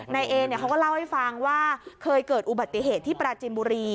นายเอเขาก็เล่าให้ฟังว่าเคยเกิดอุบัติเหตุที่ปราจินบุรี